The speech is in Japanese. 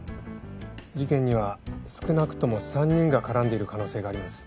事件には少なくとも３人が絡んでいる可能性があります。